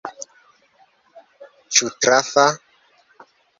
Ĉu trafa?